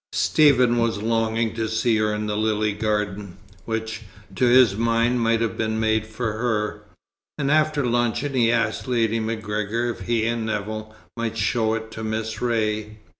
Stephen was longing to see her in the lily garden, which, to his mind, might have been made for her; and after luncheon he asked Lady MacGregor if he and Nevill might show it to Miss Ray.